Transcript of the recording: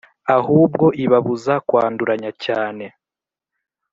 ahubwo ibabuza kwanduranya cyane